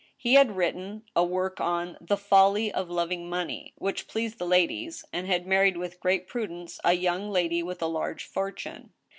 He had written a work on *• The Folly of loving Money," which pleased the ladies, and had married with great prudence a young lady with a large fortune.